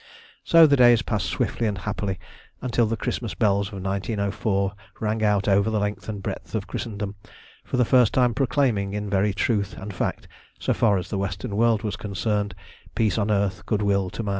So the days passed swiftly and happily until the Christmas bells of 1904 rang out over the length and breadth of Christendom, for the first time proclaiming in very truth and fact, so far as the Western world was concerned, "Peace on earth, Goodwill to Man."